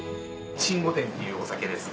鰊御殿っていうお酒ですね。